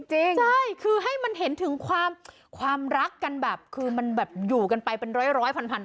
ใช่คือให้มันเห็นถึงความรักกันแบบอยู่กันไปเป็นร้อยพันปี